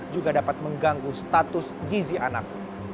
juga dapat mengganggu status gizi anak